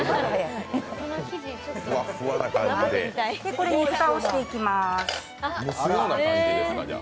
これで蓋をしていきます。